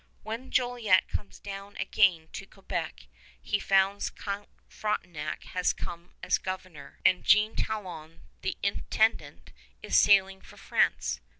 When Jolliet comes down again to Quebec, he finds Count Frontenac has come as governor, and Jean Talon, the Intendant, is sailing for France.